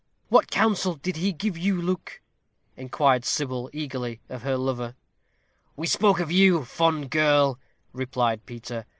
"What counsel did he give you, Luke?" inquired Sybil, eagerly, of her lover. "We spoke of you, fond girl," replied Peter.